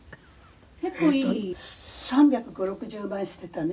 「結構いい３５０３６０万してたね」